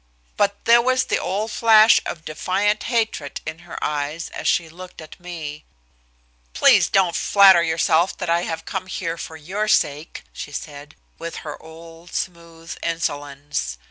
But there was the old flash of defiant hatred in her eyes as she looked at me. "Please don't flatter yourself that I have come here for your sake," she said, with her old smooth insolence.